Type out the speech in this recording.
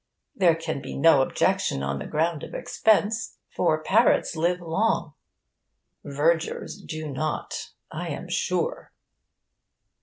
There can be no objection on the ground of expense; for parrots live long. Vergers do not, I am sure.